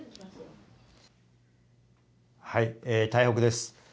台北です。